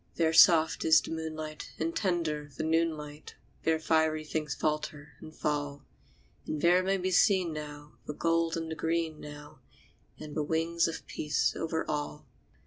There soft is the moonlight, and tender the noon light; There fiery things falter and fall; And there may be seen, now, the gold and the green, now, And the wings of a peace over all.